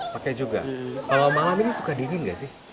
pakai juga kalau malam ini suka dingin nggak sih